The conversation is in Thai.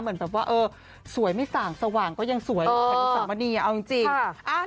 เหมือนแบบว่าเออสวยไม่ส่างสว่างก็ยังสวยแข็งสามณีเอาจริง